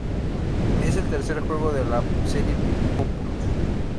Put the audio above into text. Es el tercer juego de la serie "Populous".